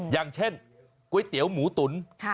อย่างเช่นก๋วยเตี๋ยวหมูตุ๋น